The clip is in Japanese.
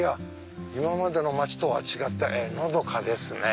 今までの町とは違ってのどかですね。